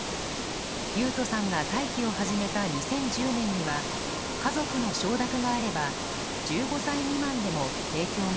由宇人さんが待機を始めた２０１０年には家族の承諾があれば１５歳未満でも提供が可能になりました。